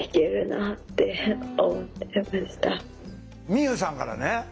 みゆうさんからね